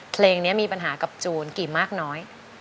เพลงนี้มีปัญหากับจูนกี่มากน้อย